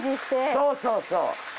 そうそうそう。